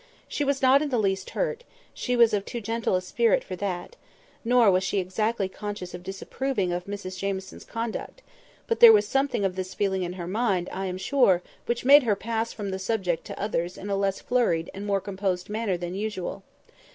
She was not in the least hurt—she was of too gentle a spirit for that; nor was she exactly conscious of disapproving of Mrs Jamieson's conduct; but there was something of this feeling in her mind, I am sure, which made her pass from the subject to others in a less flurried and more composed manner than usual.